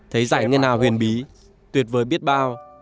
thấy dãy ngân hào huyền bí tuyệt vời biết bao